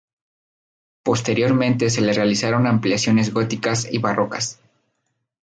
Posteriormente se le realizaron ampliaciones góticas y barrocas.